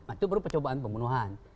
itu baru percobaan pembunuhan